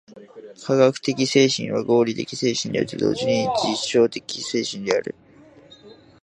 科学的精神は合理的精神であると同時に実証的精神である。